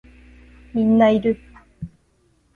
みんないる